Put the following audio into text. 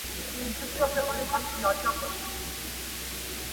ځکه ډلي جوړوي د شریکانو.!